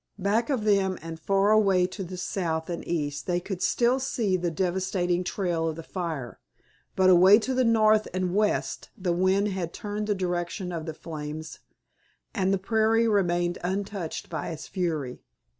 Back of them and far away to the south and east they could still see the devastating trail of the fire, but away to the north and west the wind had turned the direction of the flames and the prairie remained untouched by its fury.